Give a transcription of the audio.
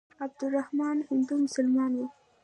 عبدالرحمن هندو مسلمان وو.